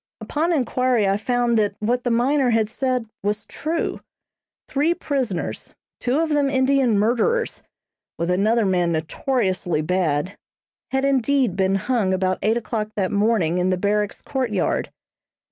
Upon inquiry I found that what the miner had said was true. Three prisoners, two of them Indian murderers, with another man notoriously bad, had indeed been hung about eight o'clock that morning in the barracks courtyard.